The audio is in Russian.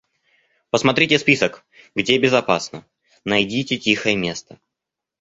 Посмотрите список, где безопасно, найдите тихое место.